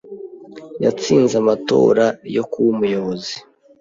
Yatsinze amatora yo kuba umuyobozi.